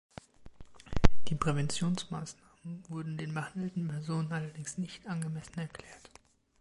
Die Präventionsmaßnahmen wurden den behandelten Personen allerdings nicht angemessen erklärt.